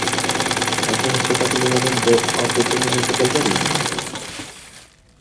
Algún espectáculo de Avento ao que teñas especial cariño?